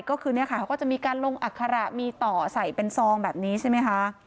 ก็คือเนี่ยค่ะเขาก็จะมีการลงอัคระมีต่อใส่เป็นซองแบบนี้ใช่ไหมคะ